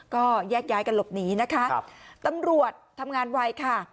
ก็แยกย้ายกันหลบหนีนะคะครับตำรวจทำงานไวค่ะ